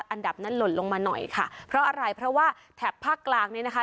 อันดับนั้นหล่นลงมาหน่อยค่ะเพราะอะไรเพราะว่าแถบภาคกลางเนี่ยนะคะ